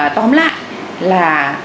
tóm lại là